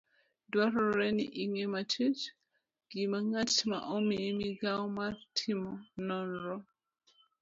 Dwarore ni ing'e matut gima ng'at ma omiyi migawo mar timo nonro